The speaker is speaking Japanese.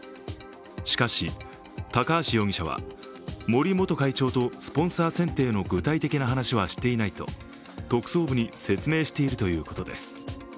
しかし高橋容疑者は、森元会長とスポンサー選定の具体的な話はしていないと特捜部に説明しているということです。